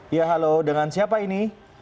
ya halo dengan siapa ini